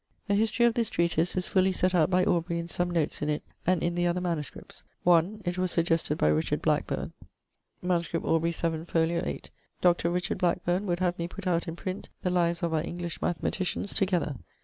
The history of this treatise is fully set out by Aubrey in some notes in it and in the other MSS.: 1. It was suggested by Richard Blackburne. MS. Aubr. 7, fol. 8ᵛ: 'Dr. Blackbourn would have me putt out in print the lives of our English mathematicians together.'